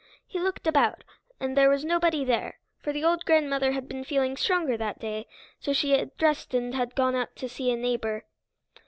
He looked about, and there was nobody there, for the old grandmother had been feeling stronger that day, so she had dressed and had gone out to see a neighbor.